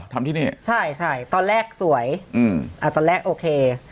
ทำที่นี่ใช่ใช่ตอนแรกสวยอืมอ่าตอนแรกโอเค